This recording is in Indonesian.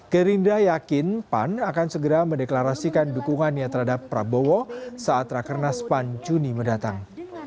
gerindra yakin pan akan segera mendeklarasikan dukungannya terhadap prabowo saat raker nas pancuni mendatang